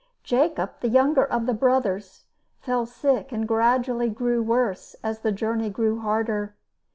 Jacob, the younger of the brothers, fell sick and gradually grew worse as the journey grew harder.